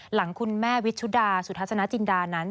หลังคุณแม่วิชุดาสุทัศนจินดานั้น